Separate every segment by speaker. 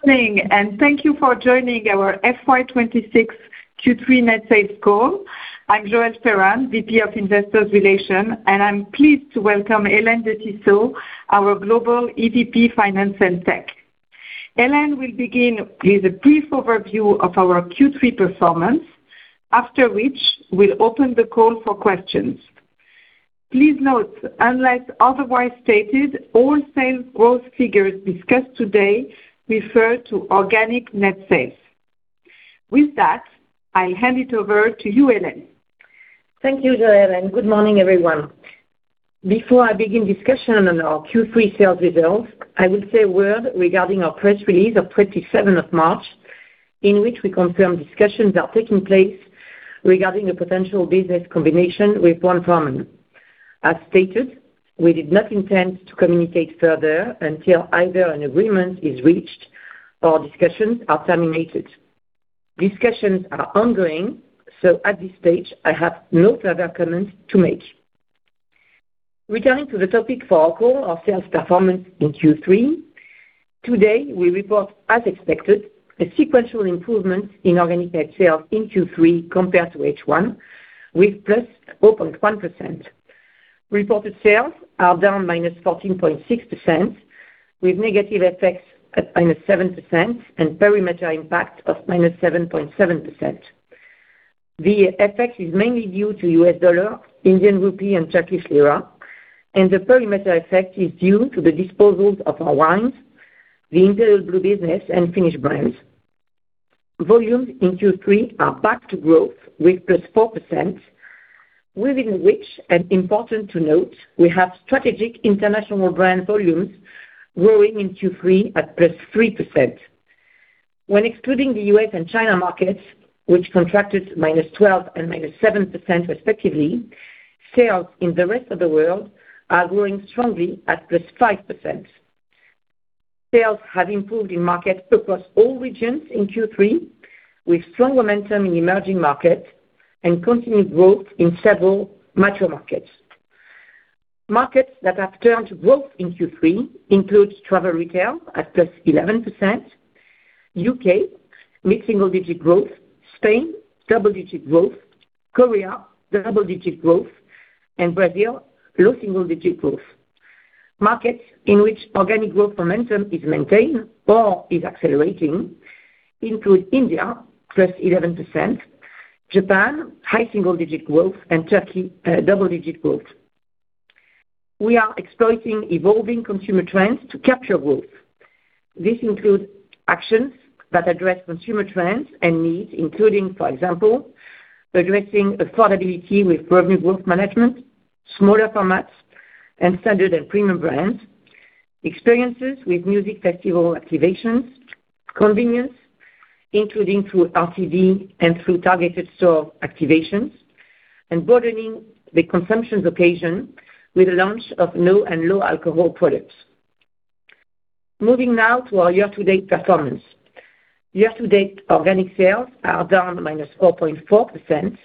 Speaker 1: Good morning, and thank you for joining our FY 2026 Q3 net sales call. I'm Joelle Ferran, VP of Investor Relations, and I'm pleased to welcome Hélène de Tissot, our Global EVP, Finance & IT. Hélène will begin with a brief overview of our Q3 performance, after which we'll open the call for questions. Please note, unless otherwise stated, all sales growth figures discussed today refer to organic net sales. With that, I'll hand it over to you, Hélène.
Speaker 2: Thank you, Joelle, and good morning, everyone. Before I begin discussion on our Q3 sales results, I will say a word regarding our press release of 27th of March, in which we confirm discussions are taking place regarding a potential business combination with Brown-Forman. As stated, we did not intend to communicate further until either an agreement is reached or discussions are terminated. Discussions are ongoing, so at this stage, I have no further comment to make. Returning to the topic for our call, our sales performance in Q3. Today, we report, as expected, a sequential improvement in organic net sales in Q3 compared to H1 with +4.1%. Reported sales are down -14.6%, with negative FX at -7% and perimeter impact of -7.7%. The FX is mainly due to U.S. dollar, Indian rupee, and Turkish lira, and the perimeter effect is due to the disposals of our wines, the Imperial Blue business, and Finnish brands. Volumes in Q3 are back to growth with +4%, within which, and important to note, we have strategic international brand volumes growing in Q3 at +3%. When excluding the U.S. and China markets, which contracted -12% and -7% respectively, sales in the rest of the world are growing strongly at +5%. Sales have improved in markets across all regions in Q3, with strong momentum in emerging markets and continued growth in several mature markets. Markets that have turned to growth in Q3 include travel retail at +11%, U.K. mid-single-digit growth, Spain double-digit growth, Korea double-digit growth, and Brazil low-single-digit growth. Markets in which organic growth momentum is maintained or is accelerating include India, +11%, Japan high single-digit growth, and Turkey double-digit growth. We are exploiting evolving consumer trends to capture growth. This includes actions that address consumer trends and needs, including, for example, addressing affordability with volume growth management, smaller formats, and standard and premium brands, experiences with music festival activations, convenience, including through RTD and through targeted store activations, and broadening the consumption location with the launch of new and low-alcohol products. Moving now to our year-to-date performance. Year-to-date organic sales are down -4.4%,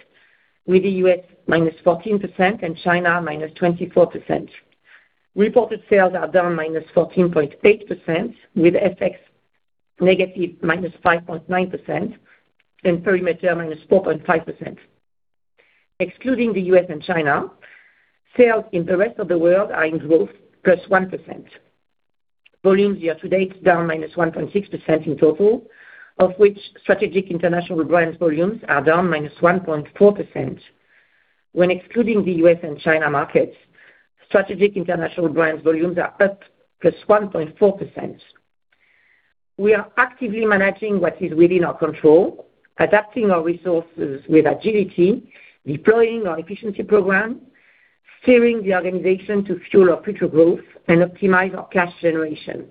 Speaker 2: with the U.S. -14% and China -24%. Reported sales are down -14.8%, with FX -5.9% and perimeter -4.5%. Excluding the U.S. and China, sales in the rest of the World are in growth +1%. Volumes year-to-date down -1.6% in total, of which strategic international brand volumes are down -1.4%. When excluding the U.S. and China markets, strategic international brand volumes are up +1.4%. We are actively managing what is within our control, adapting our resources with agility, deploying our efficiency program, steering the organization to fuel our future growth and optimize our cash generation.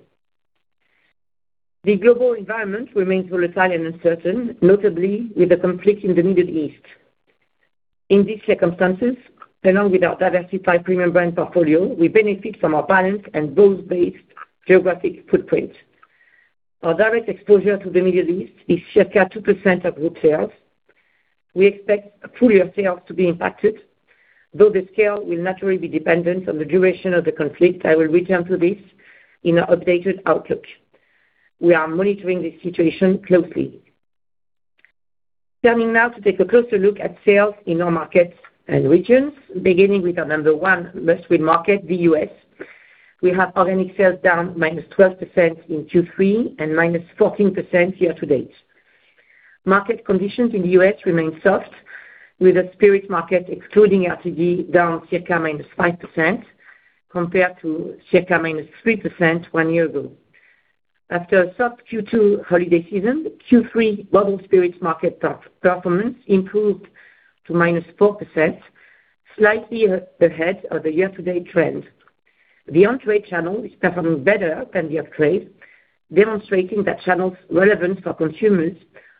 Speaker 2: The global environment remains volatile and uncertain, notably with the conflict in the Middle East. In these circumstances, along with our diversified premium brand portfolio, we benefit from our balanced and broad-based geographic footprint. Our direct exposure to the Middle East is circa 2% of group sales. We expect full-year sales to be impacted, though the scale will naturally be dependent on the duration of the conflict. I will return to this in our updated outlook. We are monitoring the situation closely. Turning now to take a closer look at sales in our markets and regions, beginning with our number one must-win market, the U.S. We have organic sales down -12% in Q3 and -14% year-to-date. Market conditions in the U.S. remain soft, with the spirits market excluding RTD down circa -5%, compared to circa -3% one year ago. After a soft Q2 holiday season, Q3 bottled spirits market performance improved to -4%, slightly ahead of the year-to-date trend. The on-trade channel is performing better than the off-trade, demonstrating the channel's relevance for consumers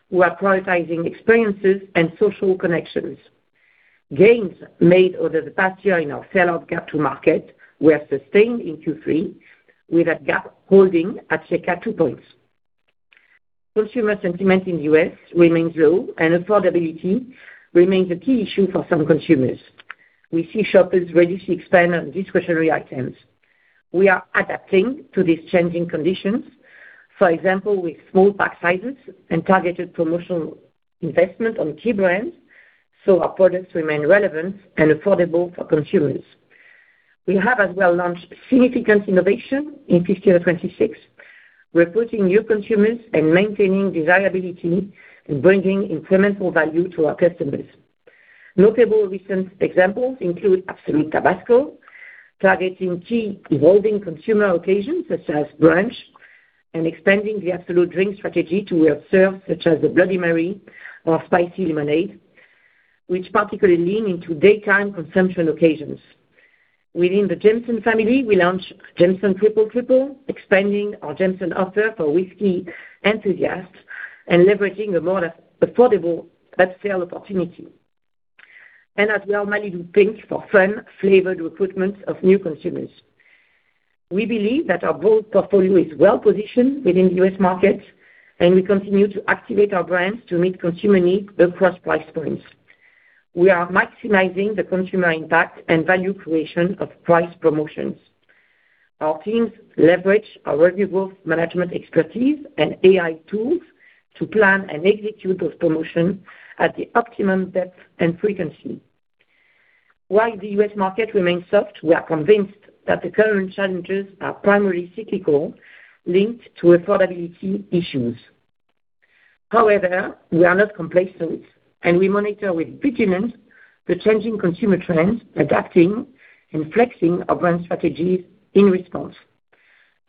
Speaker 2: who are prioritizing experiences and social connections. Gains made over the past year in our sell-out gap to market were sustained in Q3, with that gap holding at circa 2 points. Consumer sentiment in the U.S. remains low, and affordability remains a key issue for some consumers. We see shoppers reducing spend on discretionary items. We are adapting to these changing conditions. For example, with small pack sizes and targeted promotional investment on key brands, so our products remain relevant and affordable for consumers. We have as well launched significant innovation in fiscal 2026. We're approaching new consumers and maintaining desirability and bringing incremental value to our customers. Notable recent examples include Absolut TABASCO, targeting key evolving consumer occasions such as brunch, and expanding the Absolut drink strategy to RTDs, such as the Bloody Mary or Spicy Lemonade, which particularly lean into daytime consumption occasions. Within the Jameson family, we launched Jameson Triple Triple, expanding our Jameson offer for whiskey enthusiasts and leveraging a more affordable upsale opportunity. As well, Malibu Pink for fun, flavored recruitment of new consumers. We believe that our bold portfolio is well-positioned within the U.S. market, and we continue to activate our brands to meet consumer needs across price points. We are maximizing the consumer impact and value creation of price promotions. Our teams leverage our Revenue Growth Management expertise and AI tools to plan and execute those promotions at the optimum depth and frequency. While the U.S. market remains soft, we are convinced that the current challenges are primarily cyclical, linked to affordability issues. However, we are not complacent, and we monitor with vigilance the changing consumer trends, adapting and flexing our brand strategies in response.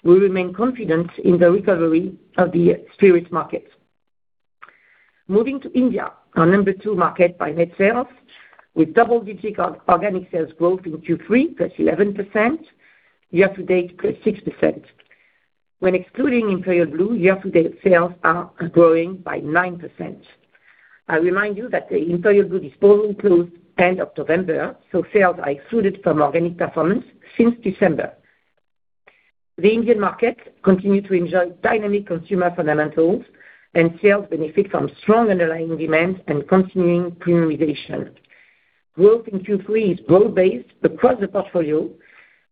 Speaker 2: We remain confident in the recovery of the spirits market. Moving to India, our number two market by net sales, with double-digit organic sales growth in Q3, +11%, year-to-date +6%. When excluding Imperial Blue, year-to-date sales are growing by 9%. I remind you that the Imperial Blue volume closed end of November, so sales are excluded from organic performance since December. The Indian market continue to enjoy dynamic consumer fundamentals, and sales benefit from strong underlying demand and continuing premiumization. Growth in Q3 is broad-based across the portfolio,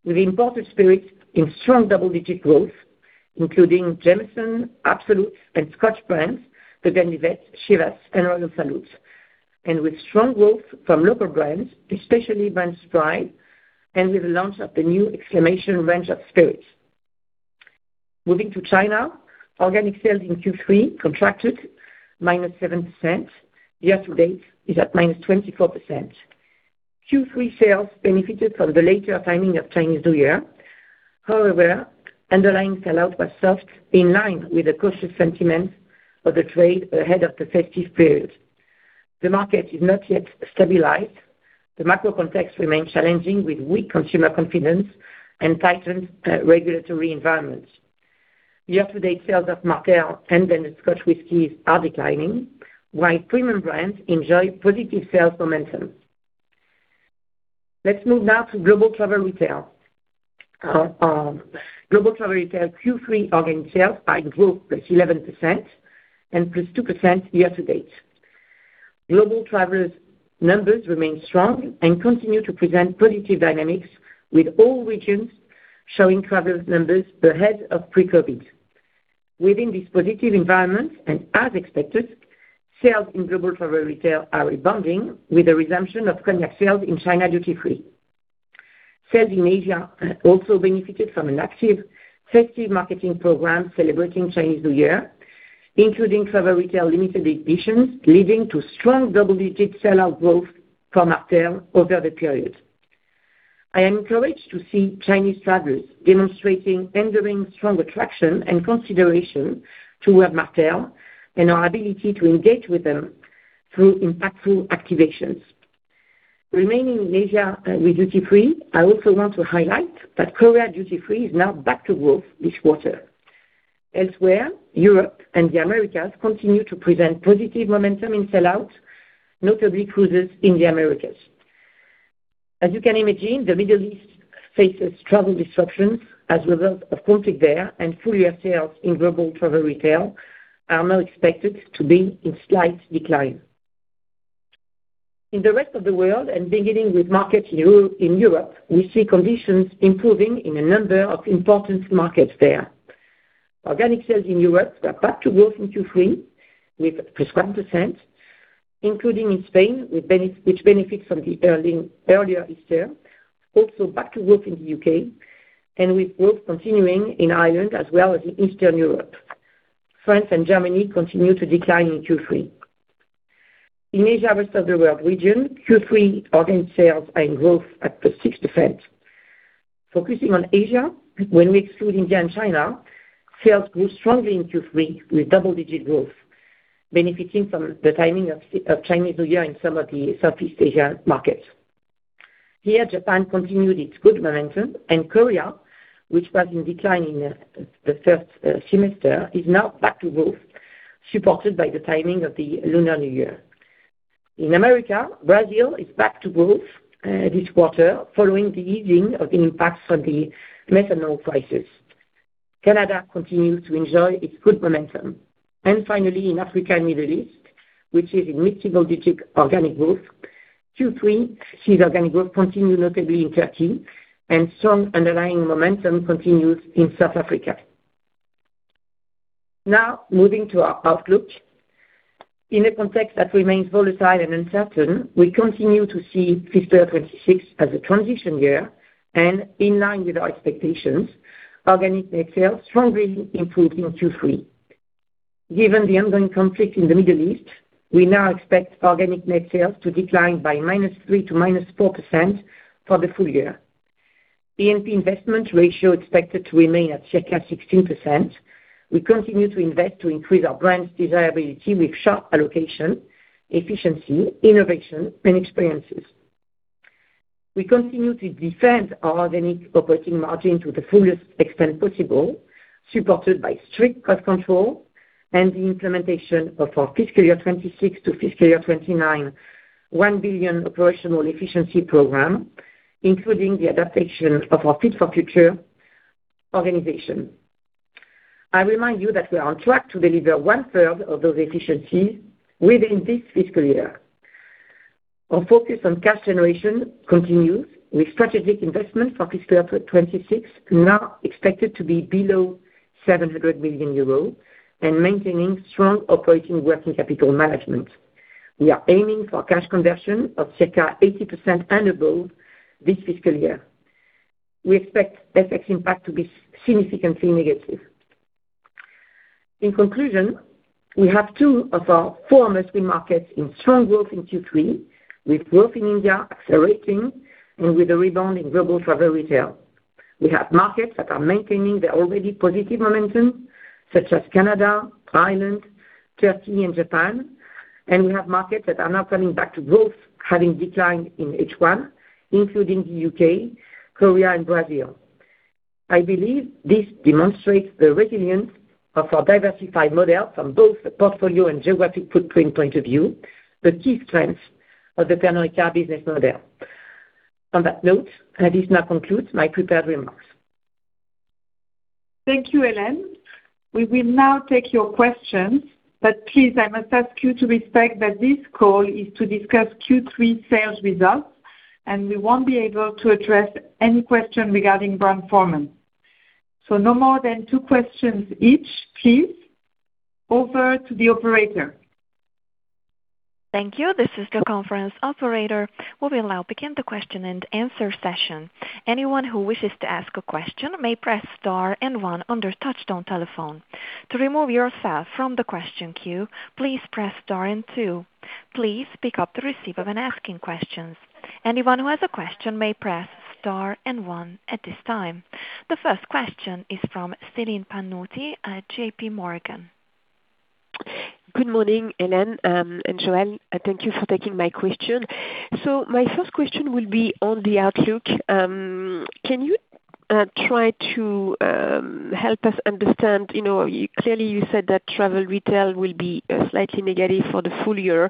Speaker 2: with imported spirits in strong double-digit growth, including Jameson, Absolut, and Scotch brands, Ballantine's, Chivas, and Royal Salute. With strong growth from local brands, especially Blenders Pride, and with the launch of the new Xclamat!on range of spirits. Moving to China, organic sales in Q3 contracted -7%. Year-to-date is at -24%. Q3 sales benefited from the later timing of Chinese New Year. However, underlying sell-out was soft in line with the cautious sentiment of the trade ahead of the festive period. The market is not yet stabilized. The macro context remains challenging, with weak consumer confidence and tightened regulatory environments. Year-to-date sales of Martell and Ballantine's Scotch whiskies are declining, while premium brands enjoy positive sales momentum. Let's move now to global travel retail. Global travel retail Q3 organic sales growth +11% and +2% year-to-date. Global travelers' numbers remain strong and continue to present positive dynamics, with all regions showing travel numbers ahead of pre-COVID. Within this positive environment, and as expected, sales in global travel retail are rebounding with the resumption of cognac sales in China duty-free. Sales in Asia also benefited from an active festive marketing program celebrating Chinese New Year, including travel retail limited editions, leading to strong double-digit sell-out growth for Martell over the period. I am encouraged to see Chinese travelers demonstrating enduring strong attraction and consideration toward Martell and our ability to engage with them through impactful activations. Remaining in Asia with duty-free, I also want to highlight that Korea duty-free is now back to growth this quarter. Elsewhere, Europe and the Americas continue to present positive momentum in sell-out, notably cruises in the Americas. As you can imagine, the Middle East faces travel disruption as a result of conflict there, and full-year sales in global travel retail are now expected to be in slight decline. In the rest of the world and beginning with markets in Europe, we see conditions improving in a number of important markets there. Organic sales in Europe are back to growth in Q3, with +1%, including in Spain, which benefits from the earlier Easter, also back to growth in the U.K., and with growth continuing in Ireland as well as in Eastern Europe. France and Germany continue to decline in Q3. In Asia/rest of the World region, Q3 organic sales are in growth at +6%. Focusing on Asia, when we exclude India and China, sales grew strongly in Q3 with double-digit growth, benefiting from the timing of Chinese New Year in some of the Southeast Asia markets. Here, Japan continued its good momentum and Korea, which was in decline in the first semester, is now back to growth, supported by the timing of the Lunar New Year. In America, Brazil is back to growth this quarter following the easing of the impact from the methanol crisis. Canada continues to enjoy its good momentum. Finally, in Africa and Middle East, which is in mid-single-digit organic growth, Q3 sees organic growth continue notably in Turkey, and strong underlying momentum continues in South Africa. Now moving to our outlook. In a context that remains volatile and uncertain, we continue to see fiscal 2026 as a transition year and in line with our expectations, organic net sales strongly improved in Q3. Given the ongoing conflict in the Middle East, we now expect organic net sales to decline by -3% to -4% for the full year. A&P investment ratio expected to remain at circa 16%. We continue to invest to increase our brand's desirability with smart allocation, efficiency, innovation, and experiences. We continue to defend our organic operating margin to the fullest extent possible, supported by strict cost control and the implementation of our fiscal year 2026 to fiscal year 2029 1 billion operational efficiency program, including the adaptation of our Fit for Future organization. I remind you that we are on track to deliver 1/3 of those efficiencies within this fiscal year. Our focus on cash generation continues, with strategic investment for fiscal year 2026 now expected to be below 700 million euros, and maintaining strong operating working capital management. We are aiming for cash conversion of circa 80% and above this fiscal year. We expect FX impact to be significantly negative. In conclusion, we have two of our four mainstream markets in strong growth in Q3, with growth in India accelerating and with a rebound in global travel retail. We have markets that are maintaining their already positive momentum, such as Canada, Thailand, Turkey, and Japan. We have markets that are now coming back to growth, having declined in H1 including the U.K., Korea, and Brazil. I believe this demonstrates the resilience of our diversified model from both the portfolio and geographic footprint point of view, the key strengths of the Pernod Ricard business model. On that note, this now concludes my prepared remarks.
Speaker 1: Thank you, Hélène. We will now take your questions, but please, I must ask you to respect that this call is to discuss Q3 sales results, and we won't be able to address any question regarding brand performance. No more than two questions each, please. Over to the operator.
Speaker 3: Thank you. This is the conference operator. We will now begin the question and answer session. Anyone who wishes to ask a question may press star and one on their touchtone telephone. To remove yourself from the question queue, please press star and two. Please pick up the receiver when asking questions. Anyone who has a question may press star and one at this time. The first question is from Celine Pannuti at JPMorgan.
Speaker 4: Good morning, Hélène and Joelle. Thank you for taking my question. My first question will be on the outlook. Can you try to help us understand, clearly you said that travel retail will be slightly negative for the full year.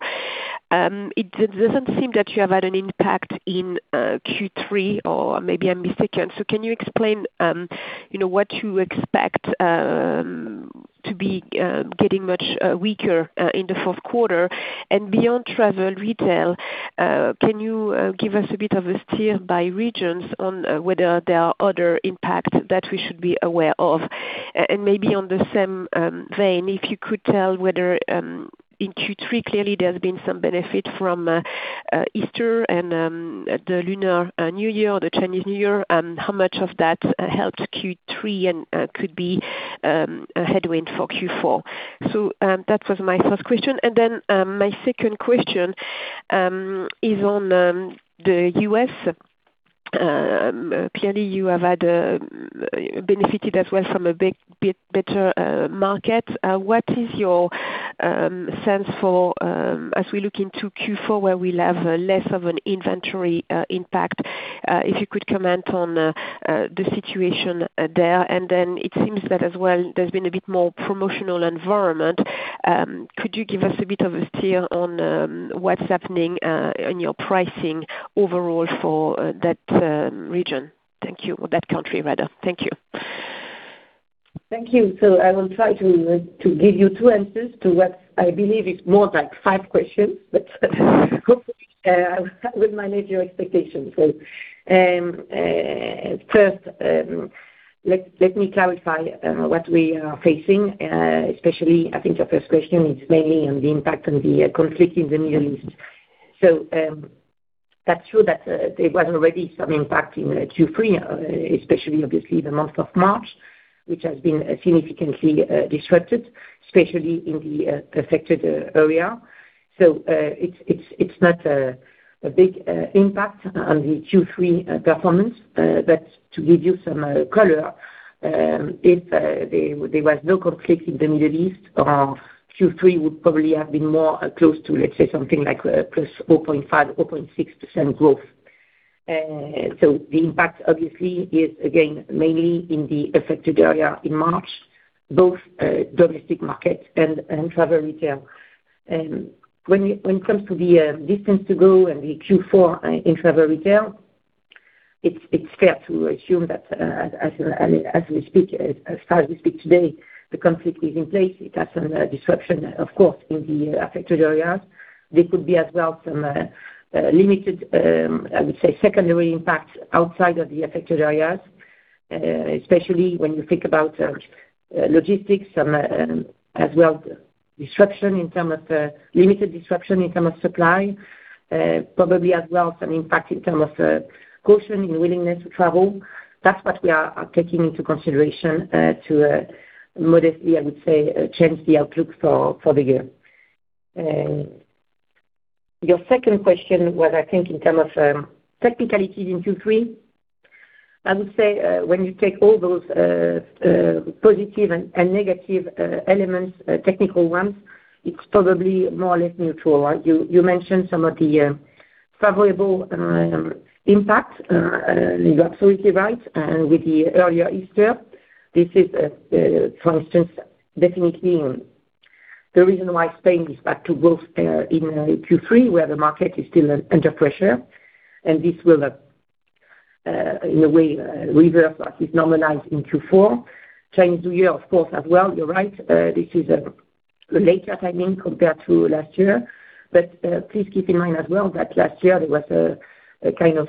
Speaker 4: It doesn't seem that you have had an impact in Q3 or maybe I'm mistaken. Can you explain what you expect to be getting much weaker in the fourth quarter? Beyond travel retail, can you give us a bit of a steer by regions on whether there are other impacts that we should be aware of? Maybe in the same vein, if you could tell whether in Q3, clearly there's been some benefit from Easter and the Lunar New Year or the Chinese New Year, how much of that helped Q3 and could be a headwind for Q4? That was my first question. My second question is on the U.S. Clearly you have benefited as well from a better market. What is your sense for as we look into Q4 where we'll have less of an inventory impact? If you could comment on the situation there. It seems that as well, there's been a bit more promotional environment. Could you give us a bit of a steer on what's happening on your pricing overall for that region? Thank you. Or that country, rather. Thank you.
Speaker 2: Thank you. I will try to give you two answers to what I believe is more like five questions, but hopefully that will manage your expectations. First, let me clarify what we are facing, especially. I think your first question is mainly on the impact on the conflict in the Middle East. That's true that there was already some impact in Q3, especially obviously the month of March, which has been significantly disrupted, especially in the affected area. It's not a big impact on the Q3 performance. To give you some color, if there was no conflict in the Middle East, our Q3 would probably have been more close to, let's say something like +0.5%-0.6% growth. The impact obviously is again, mainly in the affected area in March, both domestic markets and travel retail. When it comes to the distance to go and the Q4 in travel retail, it's fair to assume that as we speak today, the conflict is in place. It has some disruption, of course, in the affected areas. There could be as well some limited, I would say secondary impacts outside of the affected areas, especially when you think about logistics, as well as limited disruption in terms of supply, probably as well some impact in terms of caution in willingness to travel. That's what we are taking into consideration to modestly, I would say, change the outlook for the year. Your second question was, I think in terms of technicalities in Q3, I would say when you take all those positive and negative elements, technical ones, it's probably more or less neutral. You mentioned some of the favorable impact. You're absolutely right. With the earlier Easter, this is for instance definitely the reason why Spain is back to growth in Q3 where the market is still under pressure, and this will, in a way, reverse or is normalized in Q4. Chinese New Year of course as well, you're right. This is a later timing compared to last year. Please keep in mind as well that last year there was a kind of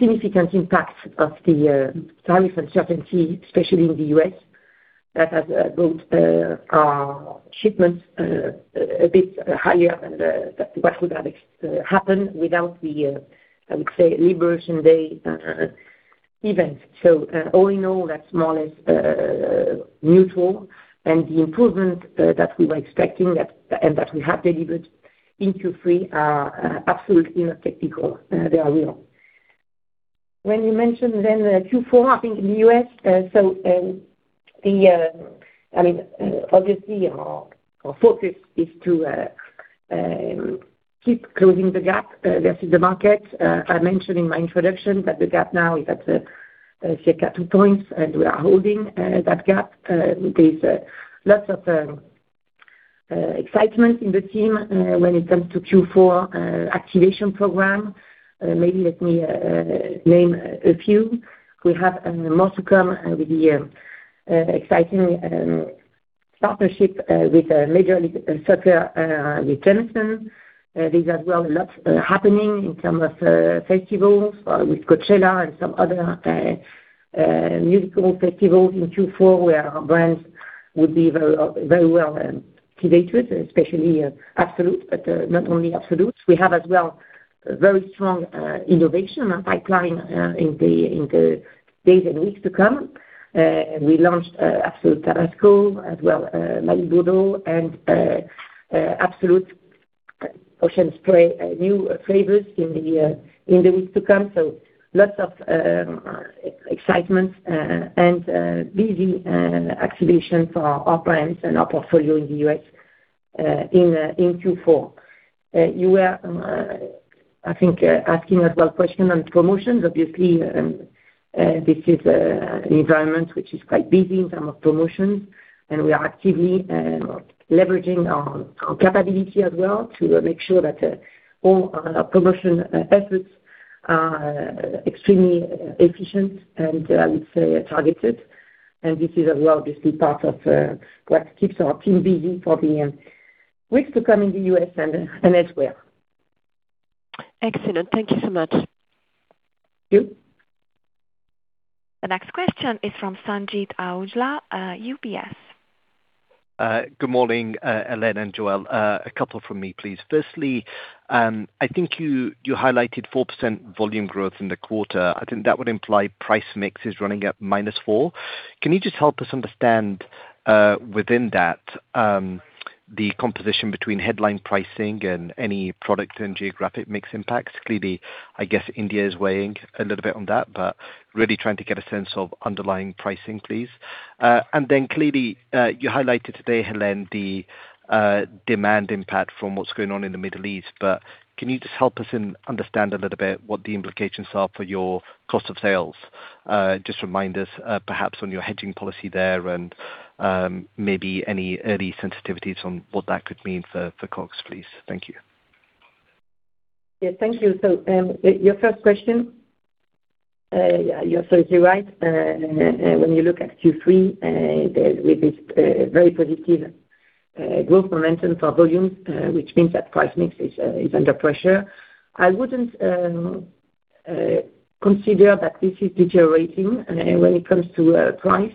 Speaker 2: significant impact of the tariff uncertainty, especially in the U.S. that has brought our shipments a bit higher than what would have happened without the, I would say, Liberation Day event. All in all, that's more or less neutral. The improvement that we were expecting and that we have delivered in Q3 are absolutely not technical, they are real. When you mention then Q4, I think in the U.S., obviously our focus is to keep closing the gap versus the market. I mentioned in my introduction that the gap now is at circa 2 points and we are holding that gap. There's lots of excitement in the team when it comes to Q4 activation program. Maybe let me name a few. We have more to come with the exciting partnership with Major League Soccer with Jameson. There's as well a lot happening in terms of festivals with Coachella and some other musical festivals in Q4 where our brands would be very well activated, especially Absolut, but not only Absolut. We have as well very strong innovation pipeline in the days and weeks to come. We launched Absolut TABASCO as well Malibu and Absolut Ocean Spray new flavors in the weeks to come. Lots of excitement and busy activation for our brands and our portfolio in the U.S. in Q4. You were, I think, asking a question as well on promotions. Obviously, this is an environment which is quite busy in terms of promotions and we are actively leveraging our capability as well to make sure that all our promotion efforts are extremely efficient and, I would say, targeted. This is as well obviously part of what keeps our team busy for the weeks to come in the U.S. and elsewhere.
Speaker 4: Excellent. Thank you so much.
Speaker 2: Thank you.
Speaker 3: The next question is from Sanjeet Aujla, UBS.
Speaker 5: Good morning, Hélène and Joelle. A couple from me, please. Firstly, I think you highlighted 4% volume growth in the quarter. I think that would imply price mix is running at -4%. Can you just help us understand, within that, the composition between headline pricing and any product and geographic mix impacts? Clearly, I guess India is weighing a little bit on that, but really trying to get a sense of underlying pricing, please. Clearly, you highlighted today, Hélène, the demand impact from what's going on in the Middle East, but can you just help us understand a little bit what the implications are for your cost of sales? Just remind us perhaps on your hedging policy there and maybe any early sensitivities on what that could mean for COGS, please. Thank you.
Speaker 2: Yeah, thank you. Your first question, you're absolutely right. When you look at Q3, with this very positive growth momentum for volume, which means that price mix is under pressure. I wouldn't consider that this is deteriorating when it comes to price.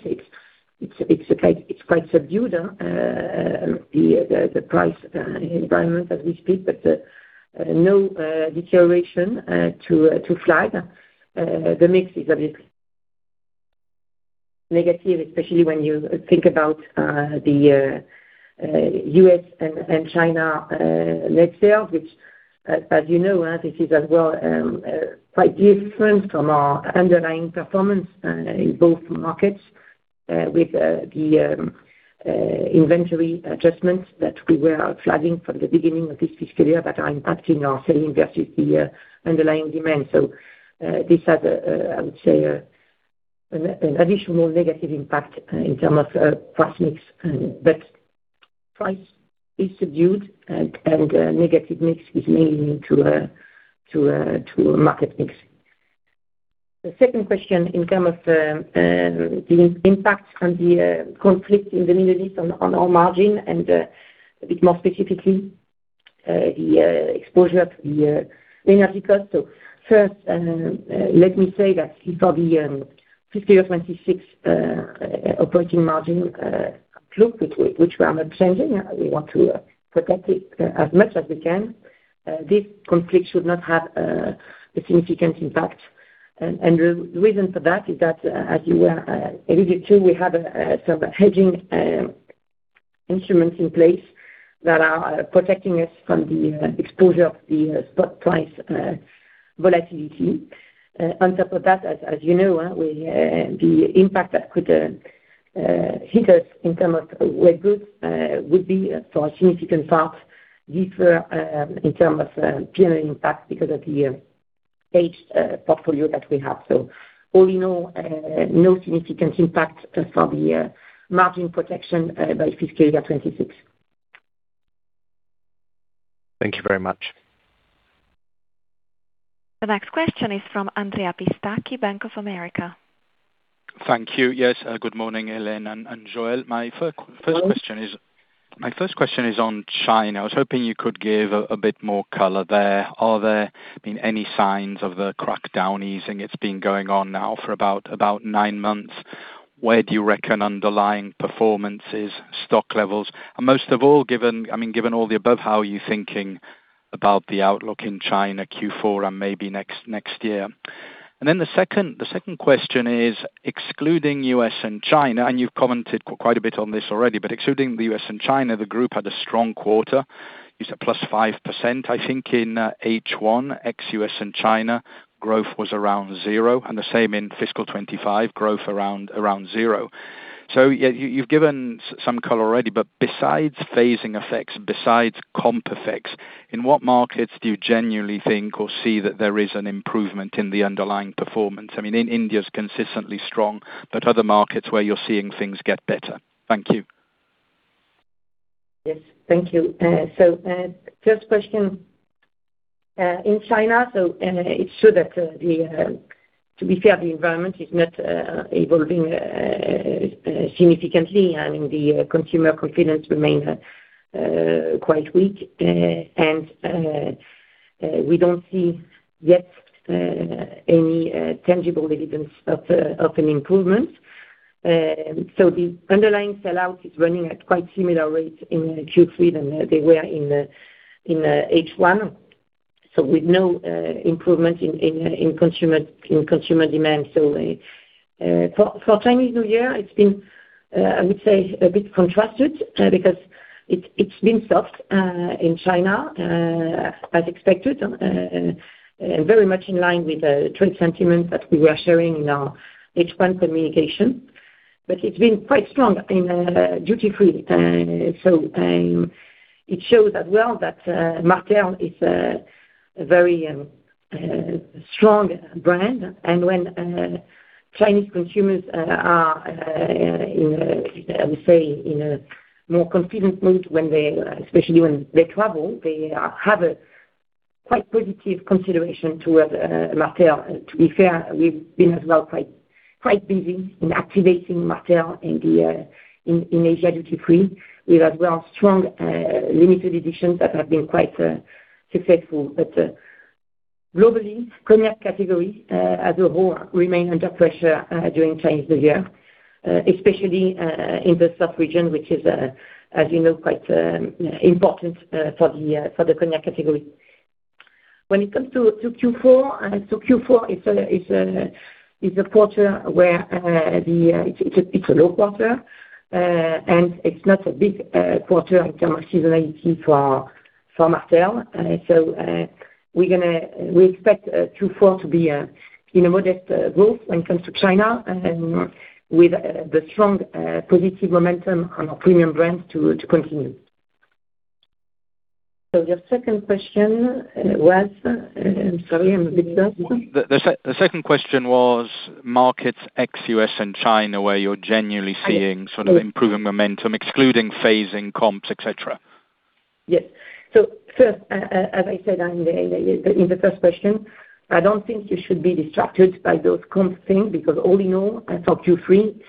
Speaker 2: It's quite subdued, the price environment as we speak, but no deterioration to flag. The mix is obviously negative, especially when you think about the U.S. and China net sales, which as you know, this is as well quite different from our underlying performance in both markets. With the inventory adjustments that we were flagging from the beginning of this fiscal year that are impacting our selling versus the underlying demand. So this has, I would say, an additional negative impact in terms of price mix, but price is subdued and negative mix is mainly due to market mix. The second question, in terms of the impact of the conflict in the Middle East on our margin and, a bit more specifically, the exposure to the energy cost. First, let me say that for the fiscal year 2026 operating margin outlook, which we are not changing, we want to protect it as much as we can. This conflict should not have a significant impact. The reason for that is that, as you were alluding to, we have some hedging instruments in place that are protecting us from the exposure to the spot price volatility. On top of that, as you know, the impact that could hit us in terms of wet goods would be, for a significant part, different in terms of P&L impact because of the aged portfolio that we have. All in all, no significant impact for the margin protection by fiscal year 2026.
Speaker 5: Thank you very much.
Speaker 3: The next question is from Andrea Pistacchi, Bank of America.
Speaker 6: Thank you. Yes, good morning, Hélène and Joelle. My first question is on China. I was hoping you could give a bit more color there. Are there any signs of the crackdown easing? It's been going on now for about nine months. Where do you reckon underlying performance is, stock levels? And most of all, given all the above, how are you thinking about the outlook in China Q4 and maybe next year? The second question is, excluding U.S. and China, and you've commented quite a bit on this already, but excluding the U.S. and China, the group had a strong quarter, you said +5%. I think in H1, ex U.S. and China, growth was around zero, and the same in fiscal 2025, growth around zero. You've given some color already, but besides phasing effects, besides comp effects, in what markets do you genuinely think or see that there is an improvement in the underlying performance? I mean, India's consistently strong, but other markets where you're seeing things get better. Thank you.
Speaker 2: Yes. Thank you. First question. In China, it's true that, to be fair, the environment is not evolving significantly, and the consumer confidence remains quite weak. We don't see, yet, any tangible evidence of an improvement. The underlying sell-out is running at quite similar rates in Q3 than they were in H1, with no improvement in consumer demand. For Chinese New Year, it's been, I would say, a bit contrasted, because it's been soft in China as expected, and very much in line with the trade sentiment that we were sharing in our H1 communication. It's been quite strong in duty free. It shows as well that Martell is a very strong brand. When Chinese consumers are, I would say, in a more confident mood, especially when they travel, they have a quite positive consideration towards Martell. To be fair, we've been as well quite busy in activating Martell in Asia duty-free. We have, as well, strong limited editions that have been quite successful. Globally, cognac category as a whole remain under pressure during Chinese New Year. Especially in the south region, which is, as you know, quite important for the cognac category. When it comes to Q4 it's a low quarter, and it's not a big quarter in terms of seasonality for Martell. We expect Q4 to be in a modest growth when it comes to China, with the strong positive momentum on our premium brands to continue. Your second question was? I'm sorry, I'm a bit lost.
Speaker 6: The second question was markets ex U.S. and China, where you're genuinely seeing sort of improving momentum, excluding phasing comps, et cetera.
Speaker 2: Yes. First, as I said in the first question, I don't think you should be distracted by those comp things, because all in all, for Q3,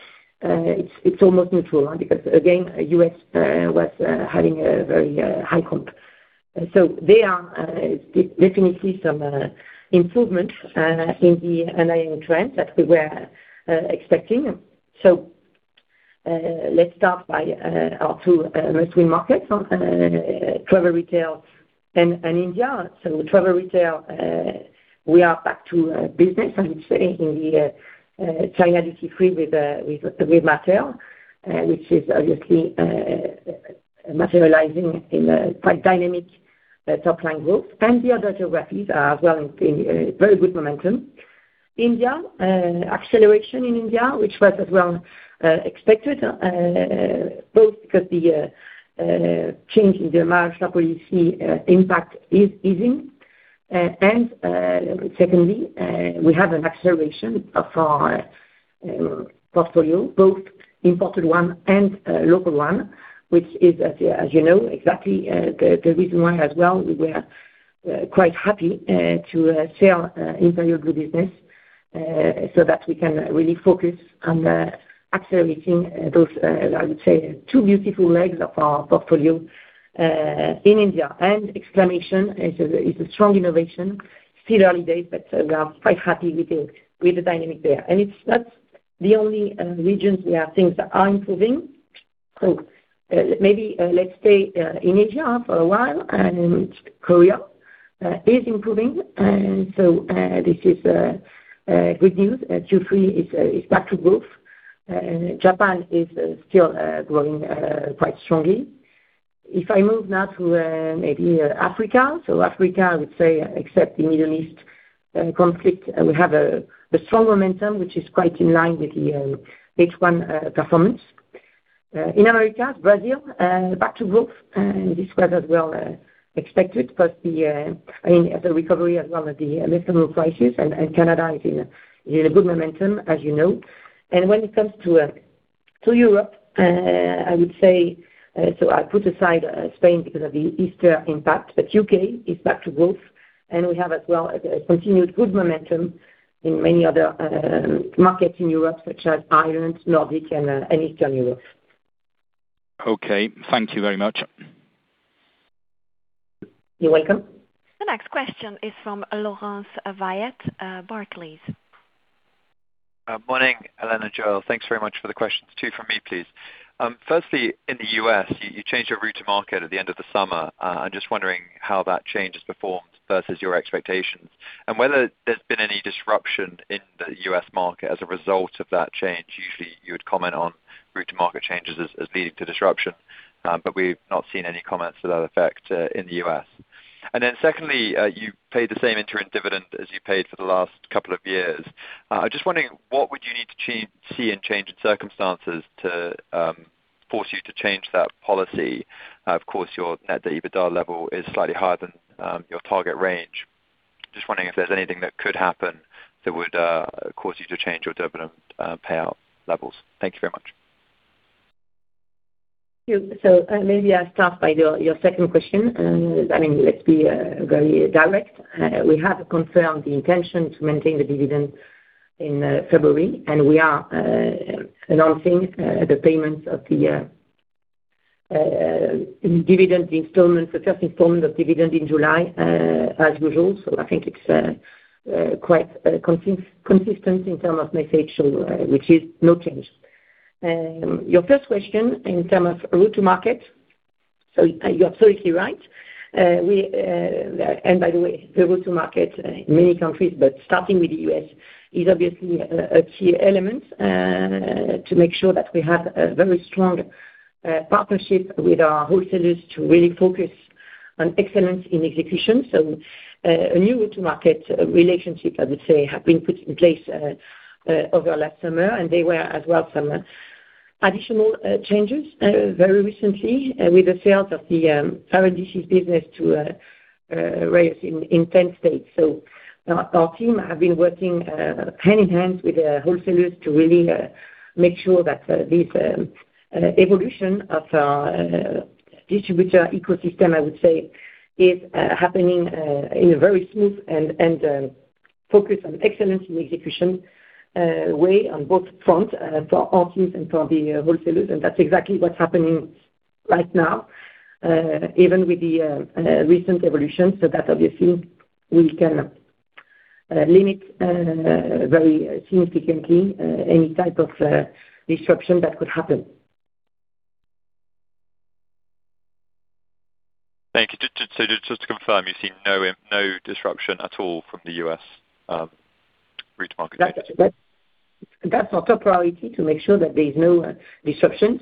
Speaker 2: it's almost neutral, because again, U.S. was having a very high comp. There are definitely some improvements in the underlying trends that we were expecting. Let's start by our two markets, travel retail and India. Travel retail, we are back to business, I would say, in the China duty free with Martell, which is obviously materializing in quite dynamic top line growth. The other geographies are as well in very good momentum. India, acceleration in India, which was as well expected, both because the change in the marginal policy impact is easing. Secondly, we have an acceleration of our portfolio, both imported one and local one, which is, as you know, exactly the reason why as well we were quite happy to sell Imperial Blue business, so that we can really focus on accelerating those, I would say, two beautiful legs of our portfolio in India. Xclamat!on is a strong innovation. Still early days, but we are quite happy with the dynamic there. It's not the only regions we are seeing that are improving. Maybe let's stay in Asia for a while, and Korea is improving. This is good news. Q3 is back to growth. Japan is still growing quite strongly. If I move now to maybe Africa. Africa, I would say except the Middle East conflict, we have a strong momentum, which is quite in line with the H1 performance. In America, Brazil, back to growth. This was as well expected, but the recovery as well of the medicinal prices. Canada is in a good momentum, as you know. When it comes to Europe, I would say, so I put aside Spain because of the Easter impact. U.K. is back to growth, and we have as well a continued good momentum in many other markets in Europe, such as Ireland, Nordic, and Eastern Europe.
Speaker 6: Okay. Thank you very much.
Speaker 2: You're welcome.
Speaker 3: The next question is from Laurence Whyatt, Barclays.
Speaker 7: Morning, Hélène and Joelle. Thanks very much for the questions. Two from me, please. Firstly, in the U.S., you changed your route-to-market at the end of the summer. I'm just wondering how that change has performed versus your expectations, and whether there's been any disruption in the U.S. market as a result of that change. Usually, you would comment on route-to-market changes as leading to disruption. We've not seen any comments to that effect in the U.S. Secondly, you paid the same interim dividend as you paid for the last couple of years. I'm just wondering, what would you need to see in change in circumstances to force you to change that policy? Of course, your net debt to EBITDA level is slightly higher than your target range. Just wondering if there's anything that could happen that would cause you to change your dividend payout levels. Thank you very much.
Speaker 2: Maybe I'll start by your second question. Let's be very direct. We have confirmed the intention to maintain the dividend in February, and we are announcing the payment of the dividend installments, the first installment of dividend in July, as usual. I think it's quite consistent in terms of message, which is no change. Your first question in terms of route to market. You're absolutely right. By the way, the route-to-market in many countries, but starting with the U.S., is obviously a key element to make sure that we have a very strong partnership with our wholesalers to really focus on excellence in execution. A new route to market relationship, I would say, have been put in place over last summer, and there were as well some additional changes very recently with the sale of the Paradis business to Reyes in 10 states. Our team have been working hand in hand with the wholesalers to really make sure that this evolution of our distributor ecosystem, I would say, is happening in a very smooth and focused on excellence in execution way on both fronts for our teams and for the wholesalers. That's exactly what's happening right now, even with the recent evolution. So that obviously we can limit very significantly any type of disruption that could happen.
Speaker 7: Thank you. Just to confirm, you're seeing no disruption at all from the U.S. route-to-market?
Speaker 2: That's our top priority, to make sure that there is no disruption.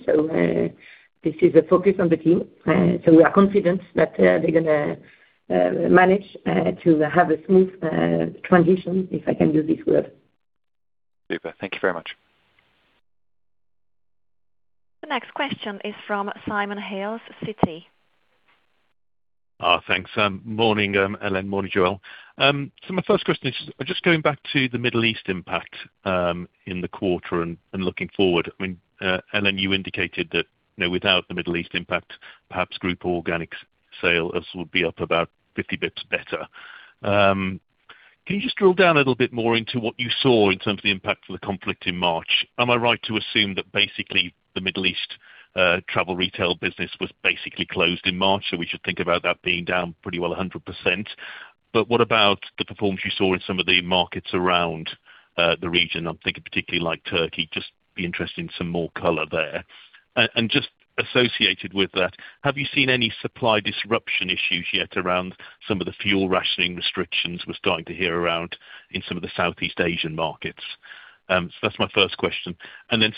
Speaker 2: This is a focus on the team. We are confident that they're going to manage to have a smooth transition, if I can use this word.
Speaker 7: Super. Thank you very much.
Speaker 3: The next question is from Simon Hales, Citi.
Speaker 8: Thanks. Morning, Hélène, morning, Joelle. My first question is just going back to the Middle East impact in the quarter and looking forward. Hélène, you indicated that without the Middle East impact, perhaps group organic sales would be up about 50 basis points better. Can you just drill down a little bit more into what you saw in terms of the impact of the conflict in March? Am I right to assume that basically the Middle East travel retail business was basically closed in March, so we should think about that being down pretty well 100%? What about the performance you saw in some of the markets around the region? I'm thinking particularly like Turkey. just be interested in some more color there. Just associated with that, have you seen any supply disruption issues yet around some of the fuel rationing restrictions we're starting to hear about in some of the Southeast Asian markets? That's my first question.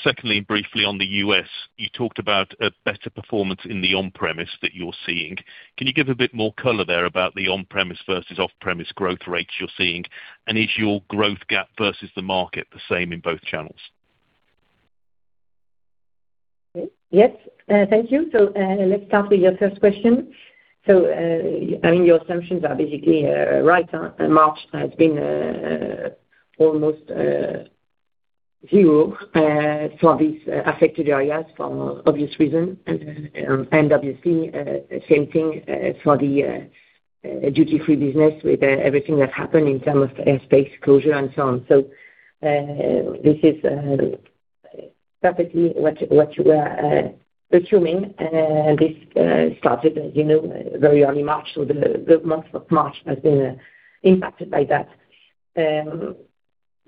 Speaker 8: Secondly, briefly on the U.S., you talked about a better performance in the on-premise that you're seeing. Can you give a bit more color there about the on-premise versus off-premise growth rates you're seeing? Is your growth gap versus the market the same in both channels?
Speaker 2: Yes. Thank you. Let's start with your first question. Your assumptions are basically right. March has been almost zero for these affected areas for obvious reasons. Obviously, same thing for the duty-free business with everything that happened in terms of airspace closure and so on. This is perfectly what you are assuming, and this started, as you know, very early March, so the month of March has been impacted by that.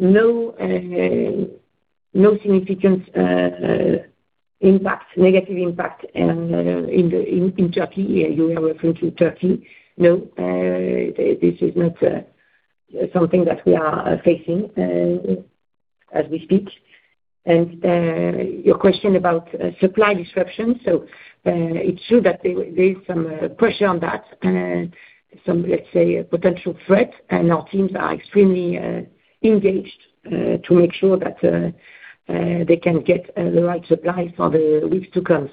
Speaker 2: No significant negative impact in Turkey. You were referring to Turkey. No, this is not something that we are facing as we speak. Your question about supply disruption, so it's true that there is some pressure on that. Some, let's say, potential threat, and our teams are extremely engaged to make sure that they can get the right supply for the weeks to come.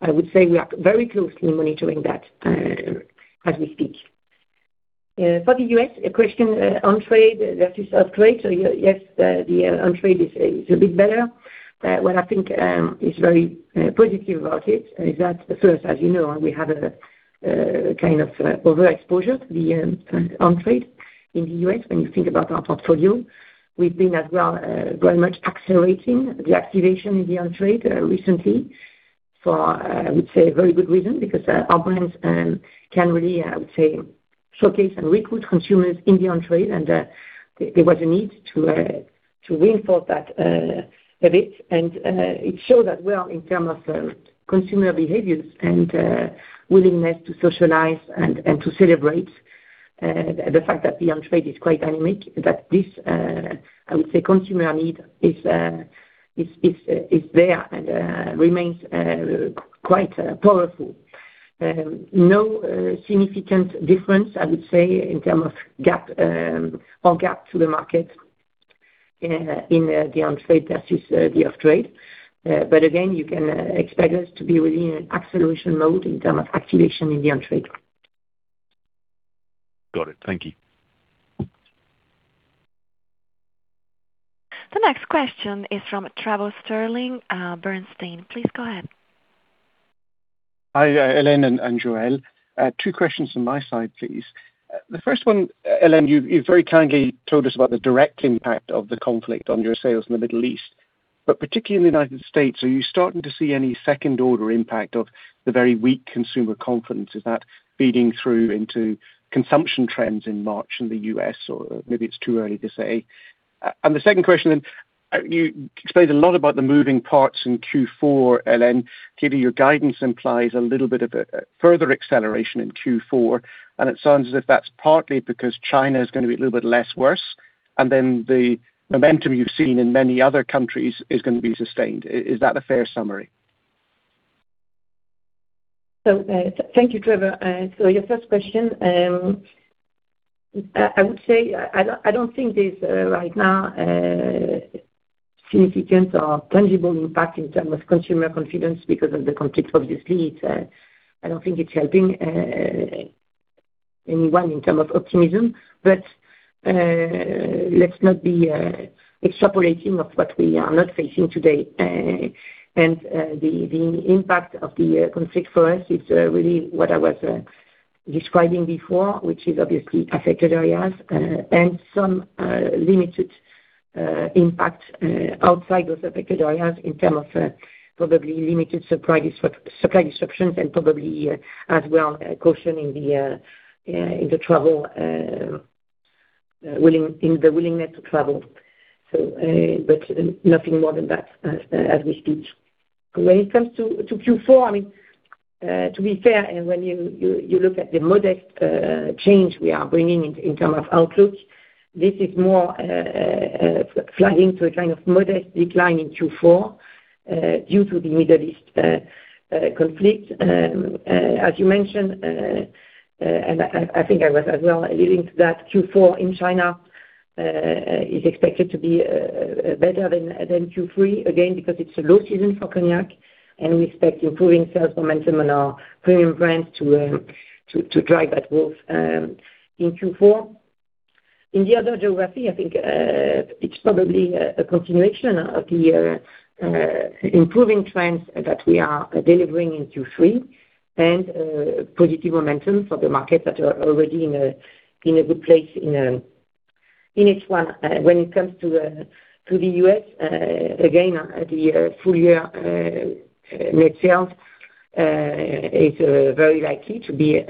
Speaker 2: I would say we are very closely monitoring that as we speak. For the U.S., a question on-trade versus off-trade. Yes, the on-trade is a bit better. What I think is very positive about it is that first, as you know, we have a kind of overexposure to the on-trade in the U.S., when you think about our portfolio. We've been very much accelerating the activation in the on-trade recently for, I would say, a very good reason, because our brands can really, I would say, showcase and recruit consumers in the on-trade, and there was a need to reinforce that a bit. It showed that well in terms of consumer behaviors and willingness to socialize and to celebrate. The fact that the on-trade is quite dynamic, that this, I would say consumer need is there and remains quite powerful. No significant difference, I would say, in terms of gap to the market in the on-trade versus the off-trade. Again, you can expect us to be really in an acceleration mode in terms of activation in the on-trade.
Speaker 8: Got it. Thank you.
Speaker 3: The next question is from Trevor Stirling, Bernstein. Please go ahead.
Speaker 9: Hi, Hélène and Joelle. Two questions from my side, please. The first one, Hélène, you very kindly told us about the direct impact of the conflict on your sales in the Middle East, but particularly in the United States, are you starting to see any second-order impact of the very weak consumer confidence? Is that feeding through into consumption trends in March in the U.S., or maybe it's too early to say. The second question, you explained a lot about the moving parts in Q4, Hélène. Clearly your guidance implies a little bit of a further acceleration in Q4, and it sounds as if that's partly because China is going to be a little bit less worse, and then the momentum you've seen in many other countries is going to be sustained. Is that a fair summary?
Speaker 2: Thank you, Trevor. Your first question, I would say, I don't think there's right now a significant or tangible impact in terms of consumer confidence because of the conflict. Obviously, I don't think it's helping anyone in terms of optimism. Let's not be extrapolating from what we are not facing today. The impact of the conflict for us is really what I was describing before, which is obviously affected areas, and some limited impact outside those affected areas in terms of probably limited supply disruptions and probably as well caution in the willingness to travel. Nothing more than that as we speak. When it comes to Q4, to be fair, and when you look at the modest change we are bringing in terms of outlook, this is more flagging to a kind of modest decline in Q4 due to the Middle East conflict. As you mentioned, and I think I was as well alluding to that, Q4 in China is expected to be better than Q3, again, because it's a low season for cognac, and we expect improving sales momentum on our premium brands to drive that growth in Q4. In the other geographies, I think it's probably a continuation of the improving trends that we are delivering in Q3 and positive momentum for the markets that are already in a good place in Q1. When it comes to the U.S., again, the full year net sales is very likely to be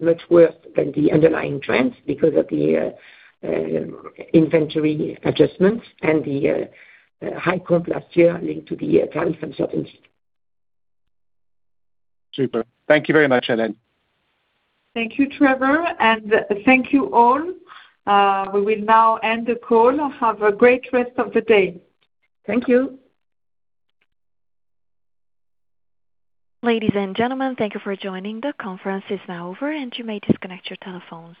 Speaker 2: much worse than the underlying trends because of the inventory adjustments and the high growth last year linked to the tariff uncertainties.
Speaker 9: Super. Thank you very much, Hélène.
Speaker 1: Thank you, Trevor, and thank you all. We will now end the call. Have a great rest of the day.
Speaker 2: Thank you.
Speaker 3: Ladies and gentlemen, thank you for joining. The conference is now over, and you may disconnect your telephones.